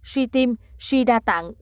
suy tim suy đa tạng